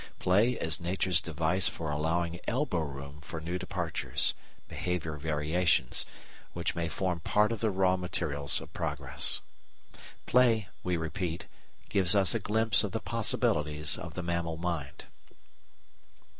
Play is Nature's device for allowing elbow room for new departures (behaviour variations) which may form part of the raw materials of progress. Play, we repeat, gives us a glimpse of the possibilities of the mammal mind.